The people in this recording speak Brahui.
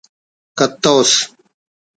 کتوس